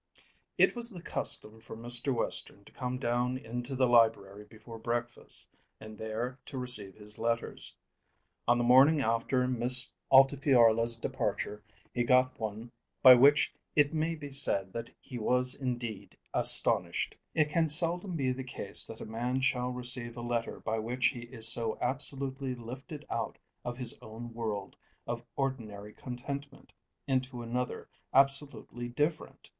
It was the custom for Mr. Western to come down into the library before breakfast, and there to receive his letters. On the morning after Miss Altifiorla's departure he got one by which it may be said that he was indeed astonished. It can seldom be the case that a man shall receive a letter by which he is so absolutely lifted out of his own world of ordinary contentment into another absolutely different.